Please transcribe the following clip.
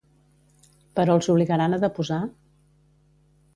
Però els obligaran a deposar?